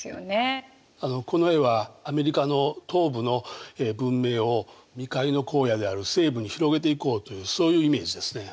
この絵はアメリカの東部の文明を未開の荒野である西部に広げていこうというそういうイメージですね。